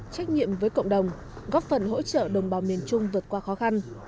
trách nhiệm với cộng đồng góp phần hỗ trợ đồng bào miền trung vượt qua khó khăn